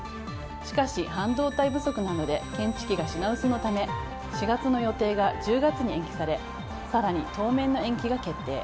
しかし、半導体不足などで検知器が品薄のため４月の予定が１０月に延期され更に当面の延期が決定。